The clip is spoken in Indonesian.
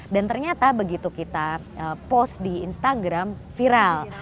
dan ternyata begitu kita post di instagram viral